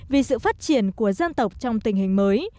vì sự phát triển của dân tộc trong tình hình mới